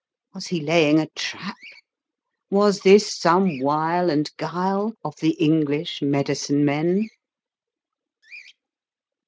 Was he laying a trap? Was this some wile and guile of the English medicine men?